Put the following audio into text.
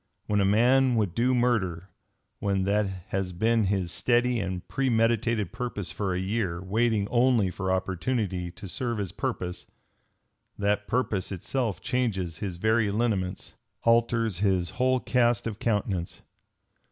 When a man would do murder, when that has been his steady and premeditated purpose for a year, waiting only for opportunity to serve his purpose, that purpose itself changes his very lineaments, alters his whole cast of countenance.